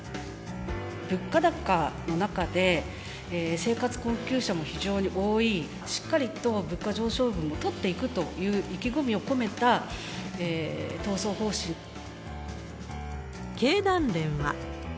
物価高の中で、生活困窮者も非常に多い、しっかりと物価上昇分を取っていくという意気込みを込めた闘争方経団連は。